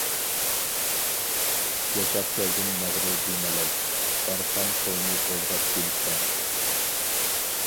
ياشاپ كەلدىم مەغرۇر-بىمالال، بارخان قوينى بولغاچ گۈلىستان.